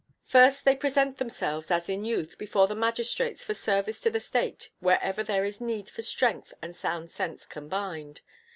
First they present themselves, as in youth, before the magistrates for service to the state wherever there is need for strength and sound sense combined.